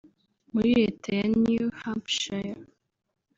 muri Leta ya New Hampshire